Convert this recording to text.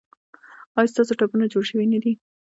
ایا ستاسو ټپونه جوړ شوي نه دي؟